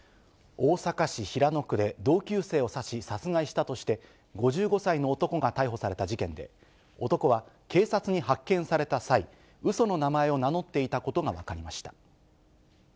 大阪市平野区で、同級生を刺し、殺害したとして、５５歳の男が逮捕された事件で、男は警察に発見された際、うその名前を名乗っていたことが分かりました。